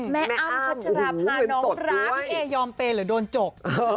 แม่อ้ำโอ้โหเห็นสดด้วยพี่เอยอมเปย์หรือโดนจก